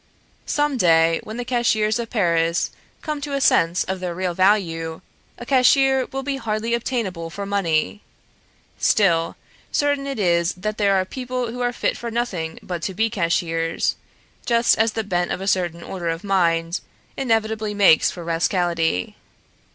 Some day, when the cashiers of Paris come to a sense of their real value, a cashier will be hardly obtainable for money. Still, certain it is that there are people who are fit for nothing but to be cashiers, just as the bent of a certain order of mind inevitably makes for rascality.